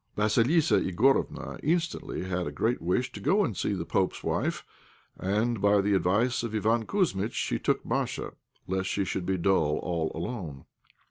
Vassilissa Igorofna instantly had a great wish to go and see the Pope's wife, and, by the advice of Iván Kouzmitch, she took Masha, lest she should be dull all alone.